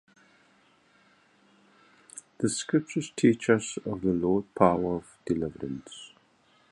These scriptures teach us of the Lord's power of deliverance.